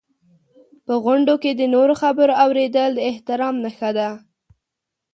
په غونډو کې د نورو خبرو اورېدل د احترام نښه ده.